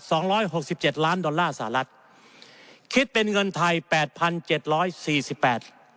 สองร้อยหกสิบเจ็ดล้านดอลลาร์สหรัฐคิดเป็นเงินไทยแปดพันเจ็ดร้อยสี่สิบแปด